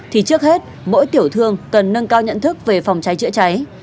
thì trước hết mỗi tiểu thương cần nâng cao nhận thức về phòng cháy chữa cháy